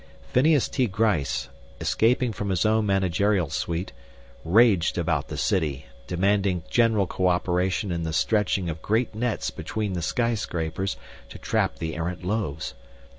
Phineas T. Gryce, escaping from his own managerial suite, raged about the city, demanding general cooperation in the stretching of great nets between the skyscrapers to trap the errant loaves.